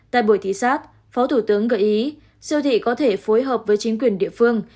tại buổi thị sát phó thủ tướng gợi ý siêu thị có thể phối hợp với chính quyền địa phương